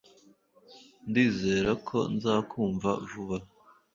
Ndizera ko nzakumva vuba